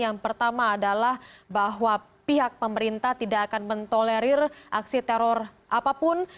yang pertama adalah bahwa pihak pemerintah tidak akan mentolerir aksi teror apapun